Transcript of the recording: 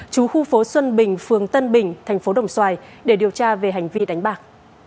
chú khu phố xuân bình phường tân bình thành phố đồng xoài để điều tra về hành vi đánh bạc